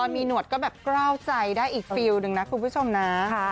มีหนวดก็แบบกล้าวใจได้อีกฟิลหนึ่งนะคุณผู้ชมนะ